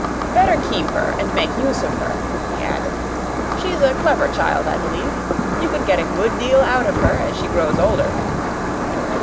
"Better keep her and make use of her," he added. "She's a clever child, I believe. You can get a good deal out of her as she grows older."